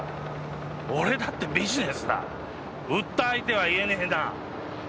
俺だってビジネスだ売った相手は言えねえな。